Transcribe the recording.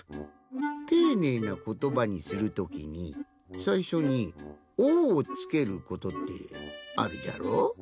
ていねいなことばにするときにさいしょに「お」をつけることってあるじゃろ？